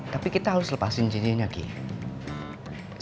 tapi kita harus lepasin cincinnya gigi